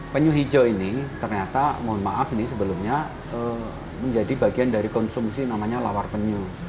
penyu hijau ini ternyata mohon maaf ini sebelumnya menjadi bagian dari konsumsi namanya lawar penyu